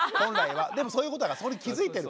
でもそういうことがそれに気付いてるから。